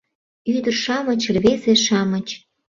Ӱдыр-шамыч, рвезе-шамыч